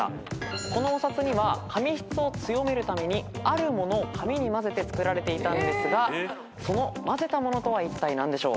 このお札には紙質を強めるためにあるものを紙に混ぜてつくられていたんですがその混ぜたものとはいったい何でしょう？